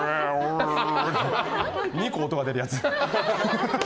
２個音が出るやつ。